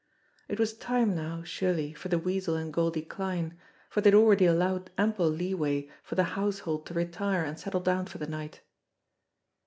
It was time now surely for the Weasel and Goldie Kline, for they had already allowed ample leeway for the household to retire and settle down for the night.